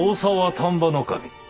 丹波守